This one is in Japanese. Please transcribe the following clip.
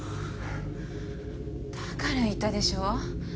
だから言ったでしょ。